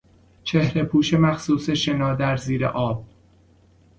چهرهپوش مخصوص شنا در زیر آب